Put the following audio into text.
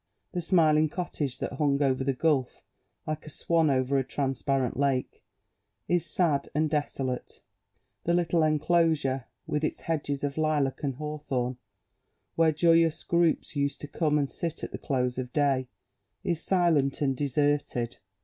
The smiling cottage, that hung over the gulf like a swan over a transparent lake, is sad and desolate; the little enclosure, with its hedges of lilac and hawthorn, where joyous groups used to come and sit at the close of day, is silent and deserted.